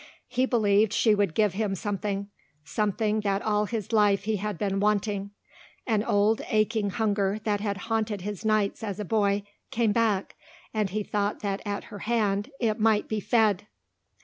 He believed she would give him something, something that all his life he had been wanting. An old aching hunger that had haunted his nights as a boy came back and he thought that at her hand it might be fed.